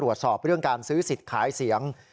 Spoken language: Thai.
ตรวจสอบเรื่องการซื้อสิทธิ์ขายเสียง